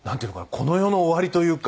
この世の終わりというか。